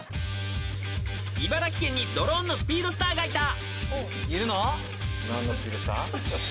［茨城県にドローンのスピードスターがいた］